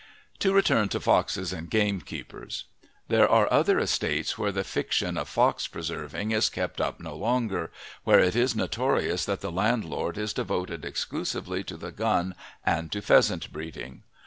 To return to foxes and gamekeepers. There are other estates where the fiction of fox preserving is kept up no longer, where it is notorious that the landlord is devoted exclusively to the gun and to pheasant breeding.